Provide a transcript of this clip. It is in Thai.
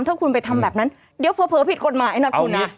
ถ้าคุณไปทำแบบนั้นเดี๋ยวเผลอผิดกฎหมายนะคุณนะ